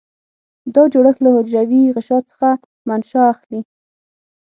دا جوړښت له حجروي غشا څخه منشأ اخلي.